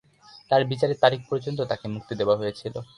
তার বিচারের তারিখ পর্যন্ত তাকে মুক্তি দেওয়া হয়েছিল।